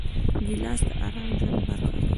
ګیلاس د ارام ژوند برخه ده.